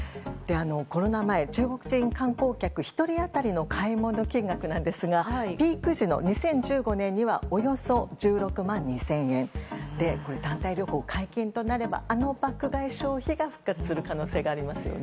コロナ前、中国人観光客１人当たりの買い物金額ですがピーク時の２０１５年にはおよそ１６万２０００円団体旅行解禁となればあの爆買い消費が復活する可能性がありますよね。